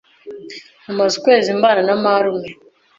Mumaze ukwezi mbana na marume.